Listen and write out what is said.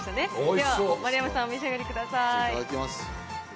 では、丸山さん、お召し上がいただきます。